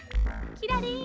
キラリン！